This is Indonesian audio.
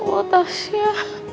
ya allah tasya